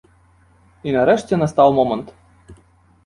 І нарэшце настаў момант.